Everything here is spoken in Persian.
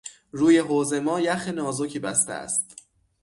روی حوض ما یخ نازکی بسته است.